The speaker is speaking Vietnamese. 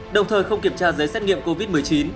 đồng thời không kiểm tra giấy xét nghiệm covid một mươi chín